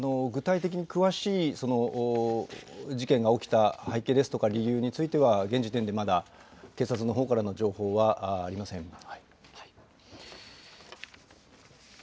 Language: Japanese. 具体的に詳しい事件が起きた背景ですとか、理由については現時点ではまだ、警察のほうからの情報はありません。